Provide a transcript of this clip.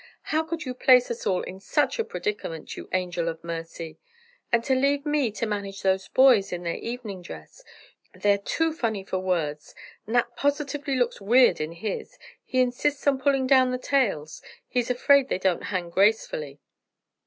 How could you place us all in such a predicament, you angel of mercy! And to leave me to manage those boys in their evening dress! They're too funny for words! Nat positively looks weird in his; he insists on pulling down the tails, he's afraid they don't hang gracefully!